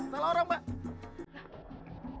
salah orang mbak